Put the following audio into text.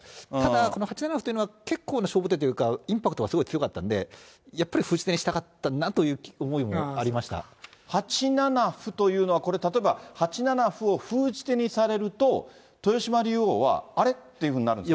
この８七歩っていうのは結構な勝負手というか、インパクトがすごい強かったんで、やっぱり封じ手にしたかったなという思いもあり８七歩というのは、これ例えば８七歩を封じ手にされると、豊島竜王は、あれ？っていうふうになるんですか？